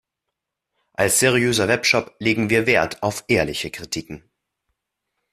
Als seriöser Webshop legen wir Wert auf ehrliche Kritiken.